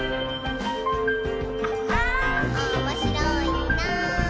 「おもしろいなぁ」